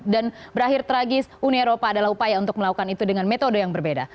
dan berakhir tragis uni eropa adalah upaya untuk melakukan itu dengan metode yang berbeda